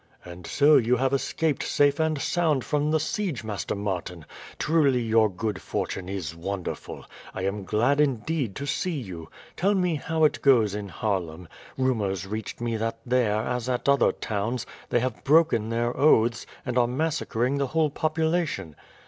"And so you have escaped safe and sound from the siege, Master Martin? Truly your good fortune is wonderful. I am glad indeed to see you. Tell me how goes it in Haarlem. Rumours reached me that there, as at other towns, they have broken their oaths, and are massacring the whole population."